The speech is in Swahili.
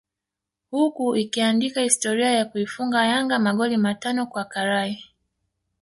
huku ikiandika historia ya kuifunga Yanga magoli matano kwa karai